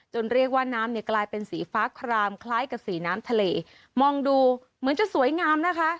เรียกว่าน้ำเนี่ยกลายเป็นสีฟ้าครามคล้ายกับสีน้ำทะเลมองดูเหมือนจะสวยงามนะคะ